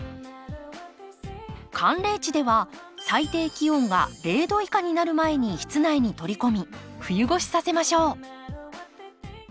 寒冷地では最低気温が０度以下になる前に室内に取り込み冬越しさせましょう。